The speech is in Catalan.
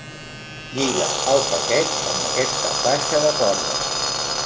Lliga el paquet amb aquesta faixa de corda.